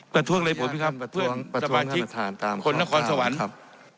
ประท้วงอะไรผมพี่ครับท่านประท้วงประท้วงท่านประธานตามข้อสวรรค์ครับ